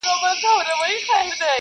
ملي عاید د اجناسو او خدماتو مجموعه ده.